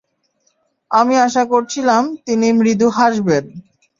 আমি আশা করছিলাম, তিনি মৃদু হাসবেন।